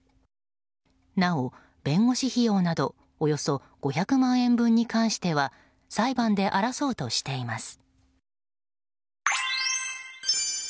なお弁護士費用などおよそ５００万円分に関しては裁判で争うとしています。